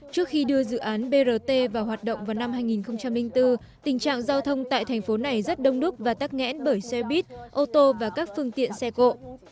trước khi đưa dự án brt vào hoạt động vào năm hai nghìn bốn tình trạng giao thông tại thành phố này rất đông đúc và tắc nghẽn bởi xe buýt ô tô và các phương tiện xe cộ